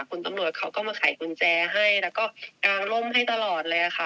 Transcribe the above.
คุณตำรวจเขาก็มาไขกุญแจให้แล้วก็กางร่มให้ตลอดเลยค่ะ